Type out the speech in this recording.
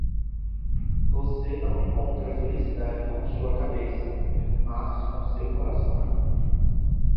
Você não encontra felicidade com sua cabeça, mas com seu coração.